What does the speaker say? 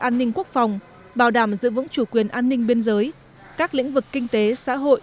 an ninh quốc phòng bảo đảm giữ vững chủ quyền an ninh biên giới các lĩnh vực kinh tế xã hội